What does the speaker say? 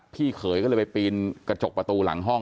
พี่เขยก็เลยไปปีนกระจกประตูหลังห้อง